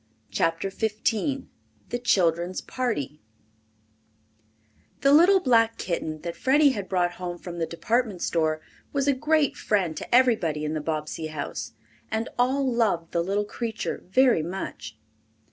CHAPTER XV THE CHILDREN'S PARTY The little black kitten that Freddie had brought home from the department store was a great friend to everybody in the Bobbsey house and all loved the little creature very much.